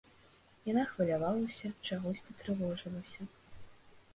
Яна хвалявалася, чагосьці трывожылася.